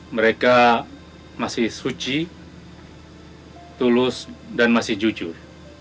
mereka masih suci tulus dan masih jujur